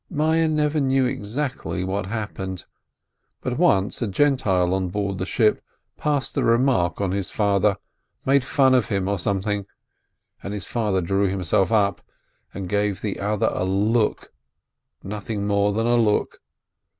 Meyerl never knew exactly what happened, but once a Gentile on board the ship passed a remark on his father, made fun of him, or something^ — and his father drew himself up, and gave the other a look — nothing more than a look!